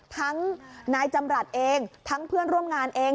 ทั้งนายจำรัฐเองทั้งเพื่อนร่วมงานเอง